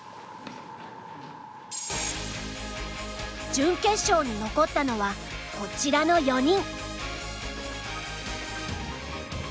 準決勝に残ったのはこちらの４人。